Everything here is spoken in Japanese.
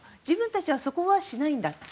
自分たちはそこはしないんだ